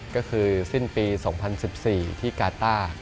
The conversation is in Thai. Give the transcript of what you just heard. ก็คือสิ้นปี๒๐๑๔ที่กาต้า